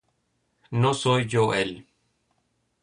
No soy yo él;